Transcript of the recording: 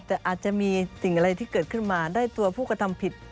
แต่อาจจะมีสิ่งอะไรที่เกิดขึ้นมาได้ตัวผู้กระทำผิด